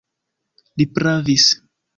Li pravis.